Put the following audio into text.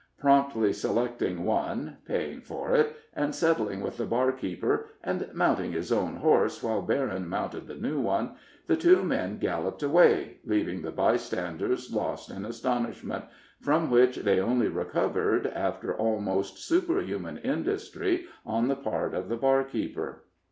Promptly selecting one, paying for it, and settling with the barkeeper, and mounting his own horse while Berryn mounted the new one, the two men galloped away, leaving the bystanders lost in astonishment, from which they only recovered after almost superhuman industry on the part of the barkeeper.